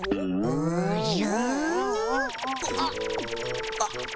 おじゃ？